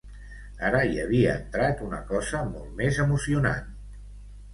Ara hi havia entrat una cosa molt més emocionant.